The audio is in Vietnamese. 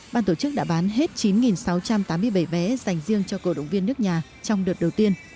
ban tổ chức đã bán hết chín sáu trăm tám mươi bảy vé dành riêng cho cổ động viên nước nhà trong đợt đầu tiên